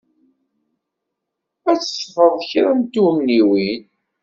Ad d-teḍḍfem kra n tugniwin.